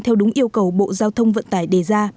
theo đúng yêu cầu bộ giao thông vận tải đề ra